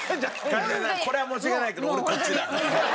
一茂さんこれは申し訳ないけど俺こっちだ。